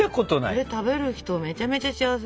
これ食べる人めちゃめちゃ幸せ。